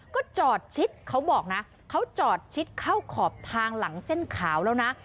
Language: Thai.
ก็จอดชิดเขาบอกนะเขาจอดชิดเข้าขอบทางหลังเส้นขาวแล้วนะ